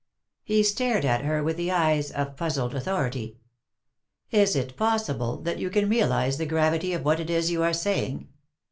He stared at her with the eyes or puzzled authority. " Is it possible that you can realise the gravity 01 what it is you are saying